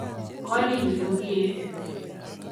Kwaninyi kokiek